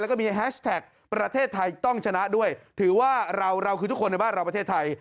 แล้วก็มีแฮชแท็กประเทศไทยต้องชนะด้วยถือว่าเราเราคือทุกคนในบ้านเราประเทศไทย